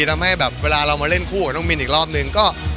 ทำให้แบบเวลาเรามาเล่นคู่กับน้องมินอีกรอบนึงก็